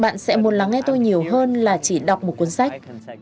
bạn sẽ muốn lắng nghe tôi nhiều hơn là chỉ đọc một cuốn sách